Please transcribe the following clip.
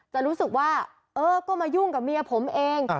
จะรู้สึกว่าเออก็มายุ่งกับเมียผมเอง